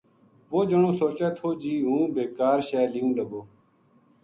وہ جنو سوچے تھو جی ہوں بے کار شے لیوں لگو